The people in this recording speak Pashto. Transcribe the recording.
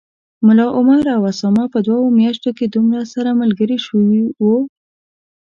ملا عمر او اسامه په دوو میاشتو کي دومره سره ملګري شوي و